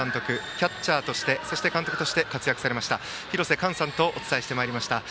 キャッチャーとしてそして監督として活躍されました廣瀬寛さんとお伝えしてまいりました。